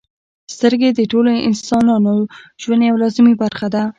• سترګې د ټولو انسانانو ژوند یوه لازمي برخه ده.